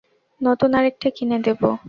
নতুন আরেকটা কিনে দেবো।